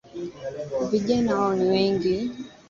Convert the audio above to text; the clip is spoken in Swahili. Vijana wao ni wengi